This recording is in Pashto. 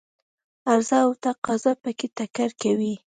عرضه او تقاضا په کې ټکر کوي.